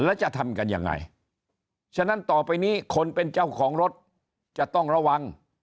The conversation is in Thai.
แล้วจะทำกันยังไงฉะนั้นต่อไปนี้คนเป็นเจ้าของรถจะต้องระวัง